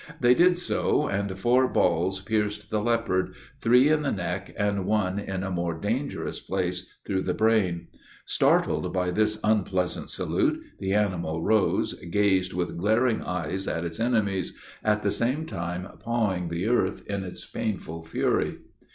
They did so, and four balls pierced the leopard, three in the neck and one in a more dangerous place, through the brain. Startled by this unpleasant salute, the animal rose, gazed with glaring eyes on its enemies, at the same time pawing the earth in its pain fury.